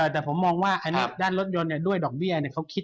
แต่ผมมองว่าอันนี้ด้านรถยนต์ด้วยดอกเบี้ยเขาคิด